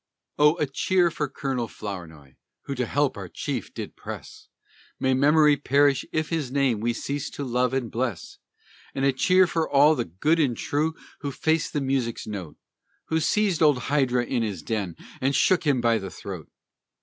Oh! a cheer for Colonel Flournoy, who to help our chief did press, May memory perish if his name we cease to love and bless! And a cheer for all the good and true who faced the music's note, Who seized old Hydra in his den, and shook him by the throat.